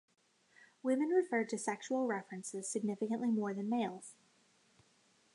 Women referred to sexual references significantly more than males.